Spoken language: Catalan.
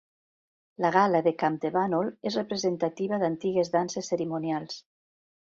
La Gala de Campdevànol és representativa d'antigues danses cerimonials.